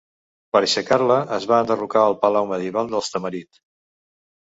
Per aixecar-la es va enderrocar el palau medieval dels Tamarit.